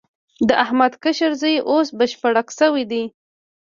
د احمد کشر زوی اوس بشپړک شوی دی.